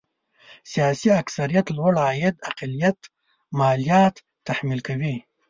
سیاسي اکثريت لوړ عاید اقلیت ماليات تحمیل کوي.